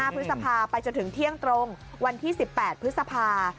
พฤษภาไปจนถึงเที่ยงตรงวันที่๑๘พฤษภา